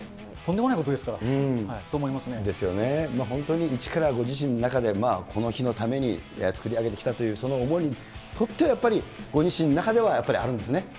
本当に一からご自身の中で、この日のために作り上げてきたというその思いにとっては、やっぱりご自身の中ではやっぱりあるんですね。